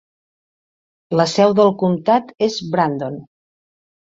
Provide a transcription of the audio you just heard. La seu del comtat és Brandon.